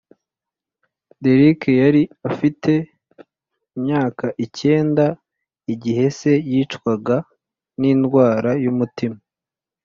Derrick yari afite imyaka icyenda igihe se yicwaga n’indwara y’umutima